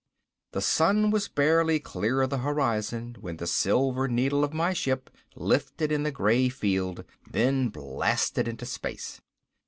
The sun was barely clear of the horizon when the silver needle of my ship lifted in the gray field, then blasted into space.